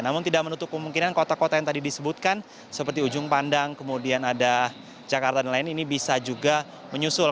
namun tidak menutup kemungkinan kota kota yang tadi disebutkan seperti ujung pandang kemudian ada jakarta dan lain ini bisa juga menyusul